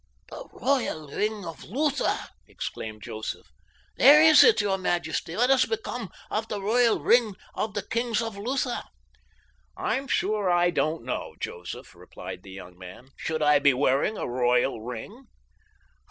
"The Royal Ring of Lutha!" exclaimed Joseph. "Where is it, your majesty? What has become of the Royal Ring of the Kings of Lutha?" "I'm sure I don't know, Joseph," replied the young man. "Should I be wearing a royal ring?"